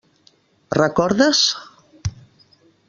Recordes?